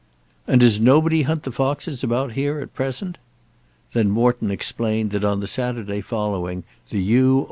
"And does nobody hunt the foxes about here at present?" Then Morton explained that on the Saturday following the U.